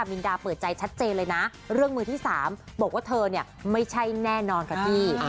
มินดาเปิดใจชัดเจนเลยนะเรื่องมือที่๓บอกว่าเธอเนี่ยไม่ใช่แน่นอนค่ะพี่